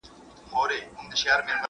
هغه د مستو په څښلو بوخت دی.